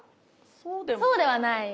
そうではない。